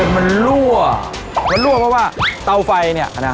มันรั่วเพราะว่าเตาไฟ